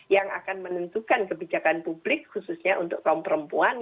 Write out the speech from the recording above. yang akan menentukan kebijakan publik khususnya untuk kaum perempuan